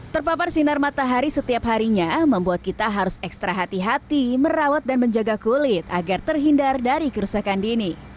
terpapar sinar matahari setiap harinya membuat kita harus ekstra hati hati merawat dan menjaga kulit agar terhindar dari kerusakan dini